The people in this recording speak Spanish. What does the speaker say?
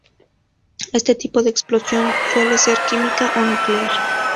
Este tipo de explosión suele ser química o nuclear.